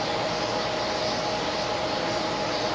ต้องเติมเนี่ย